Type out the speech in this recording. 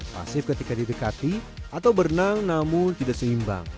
pasif ketika didekati atau berenang namun tidak seimbang